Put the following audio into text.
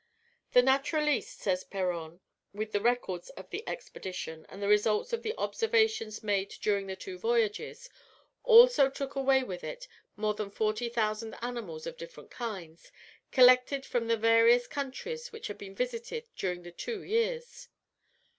The Naturaliste, says Péron, with the records of the expedition, and the results of the observations made during the two voyages, also took away with it "more than 40,000 animals of different kinds, collected from the various countries which had been visited during the two years."